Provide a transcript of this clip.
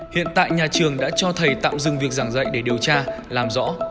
hiện tại nhà trường đã cho thầy tạm dừng việc giảng dạy để điều tra làm rõ